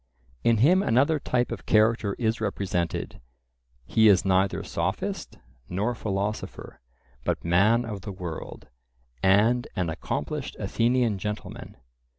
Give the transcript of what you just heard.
In him another type of character is represented; he is neither sophist nor philosopher, but man of the world, and an accomplished Athenian gentleman.